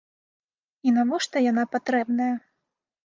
І навошта яна патрэбная?